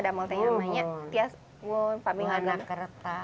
kamu tidak bisa mengerti